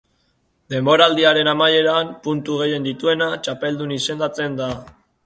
Denboraldiaren amaieran puntu gehien dituena txapeldun izendatzen da.